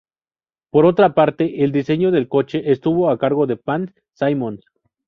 Por otra parte, el diseño del coche estuvo a cargo de Pat Symonds.